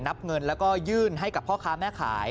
นับเงินแล้วก็ยื่นให้กับพ่อค้าแม่ขาย